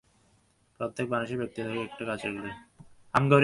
প্রত্যেক মানুষেরই ব্যক্তিত্বকে একটি কাঁচের গোলকের সঙ্গে তুলনা করিতে পারা যায়।